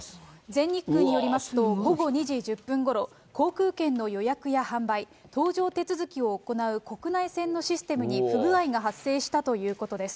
全日空によりますと、午後２時１０分ごろ、航空券の予約や販売、搭乗手続きを行う国内線のシステムに不具合が発生したということです。